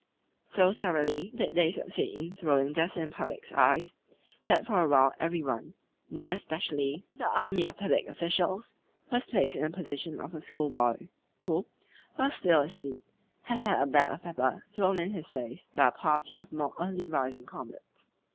So thoroughly did they succeed in throwing dust in the public's eyes that for a while every one more especially the army of public officials was placed in the position of a schoolboy who, while still asleep, has had a bag of pepper thrown in his face by a party of more early rising comrades.